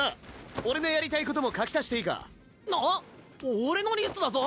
俺のリストだぞ。